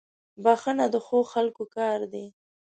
• بښنه د ښو خلکو کار دی.